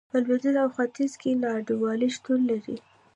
په لوېدیځ او ختیځ کې نا انډولي شتون لري.